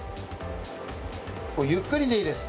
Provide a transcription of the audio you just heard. ゆっくりでいいです。